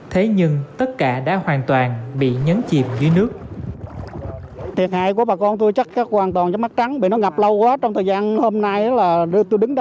thế nhưng tất cả đã hoàn toàn bị nhấn chìm dưới nước